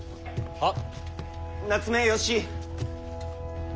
はっ。